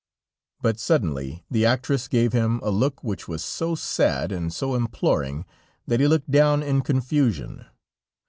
But suddenly the actress gave him a look which was so sad and so imploring, that he looked down in confusion.